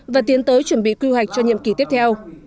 và tiến tới chuẩn bị quy hoạch cho nhiệm kỳ tiếp theo